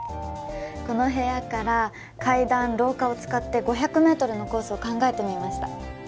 この部屋から階段廊下を使って５００メートルのコースを考えてみました